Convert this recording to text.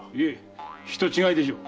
人違いでしょう。